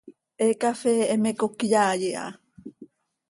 He cafee heme cocyaai ha.